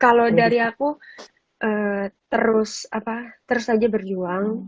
kalau dari aku terus apa terus aja berjuang